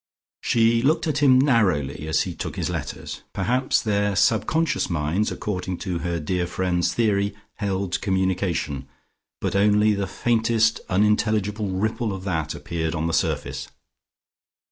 She looked at him narrowly as he took his letters. Perhaps their subconscious minds (according to her dear friend's theory) held communication, but only the faintest unintelligible ripple of that appeared on the surface.